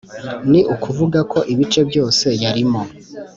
ni ukuvuga ko ibice byose yarimo